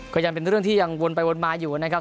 ก็ยังเป็นเรื่องที่ยังวนไปวนมาอยู่นะครับ